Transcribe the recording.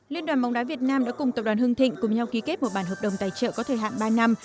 liên đoàn bóng đá việt nam đã cùng tập đoàn hưng thịnh cùng nhau ký kết một bản hợp đồng tài trợ có thời hạn ba năm